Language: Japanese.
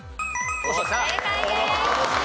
正解です。